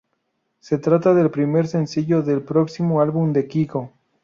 Se trata de el primer sencillo del próximo álbum de Kygo.